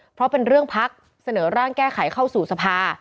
เพราะเป็นเรื่องพักเสนอร่างแก้ไขเข้าสู่สภา